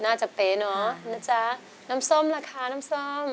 น่าจะเป๊ะเนาะน้ำส้มล่ะคะ